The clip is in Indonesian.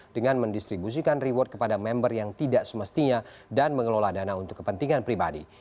dengan mendistribusikan reward kepada member yang tidak semestinya dan mengelola dana untuk kepentingan pribadi